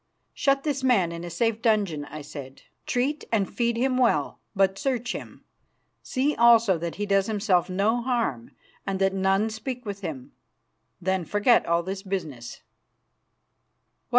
"Shut this man in a safe dungeon," I said. "Treat and feed him well, but search him. See also that he does himself no harm and that none speak with him. Then forget all this business."